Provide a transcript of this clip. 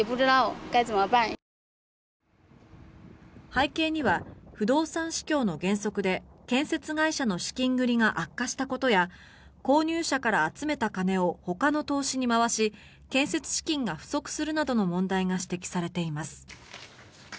背景には不動産市況の減速で建設会社の資金繰りが悪化したことや購入者から集めた金をほかの投資に回し建設資金が不足するなどの問題が指摘されています。